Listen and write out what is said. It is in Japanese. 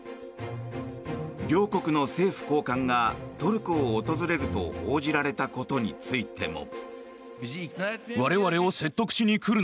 両国の政府高官がトルコを訪れると報じられたことについても。